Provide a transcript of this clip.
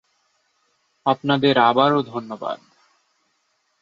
আপনাদের আবারো ধন্যবাদ।